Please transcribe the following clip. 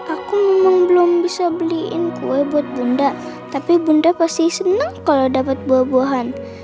aku memang belum bisa beliin kue buat bunda tapi bunda pasti senang kalau dapat buah buahan